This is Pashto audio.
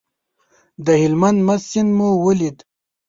د هلمند مست سیند مو ولید.